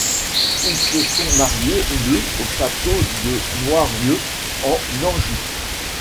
Ils se sont mariés le au château de Noirieux en Anjou.